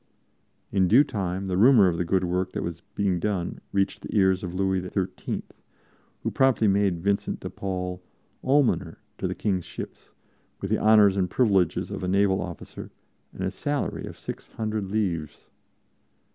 In due time the rumor of the good work that was being done reached the ears of Louis XIII, who promptly made Vincent de Paul Almoner to the King's ships, with the honors and privileges of a naval officer and a salary of six hundred livres.